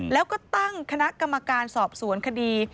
แล้วก็ตั้งคณะกรรมการสอบสวนคดี